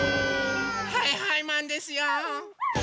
はいはいマンですよ！